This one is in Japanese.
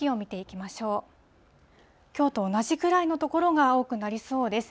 きょうと同じくらいの所が多くなりそうです。